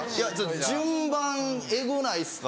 「順番えぐないですか？」